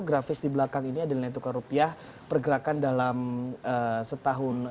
grafis di belakang ini adalah tukar rupiah pergerakan dalam setahun terakhir